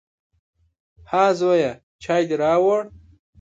_ها زويه، چای دې راووړ؟